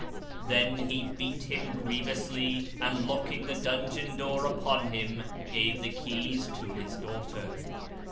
Then he beat him grievously and locking the dungeon door upon him, gave the keys to his daughter.